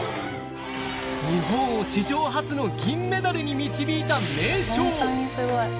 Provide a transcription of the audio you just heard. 日本を史上初の銀メダルに導いた名将